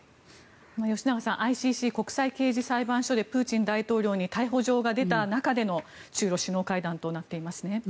吉永さんＩＣＣ・国際刑事裁判所でプーチン大統領に逮捕状が出た中での中ロ首脳会談となっていますね。